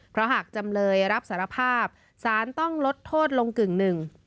เพราะหากจำเลยรับสารภาพสารต้องลดโทษลงกึ่งหนึ่ง